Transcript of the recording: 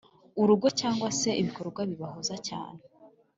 urugo cyangwa se ibikorwa bibahuza cyane.